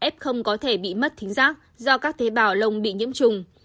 f có thể bị mất thính giác do các tế bào lông bị nhiễm trùng